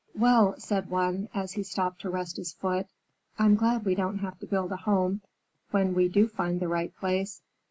"Well," said one, as he stopped to rest his foot, "I'm glad we don't have to build a home when we do find the right place.